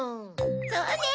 そうね！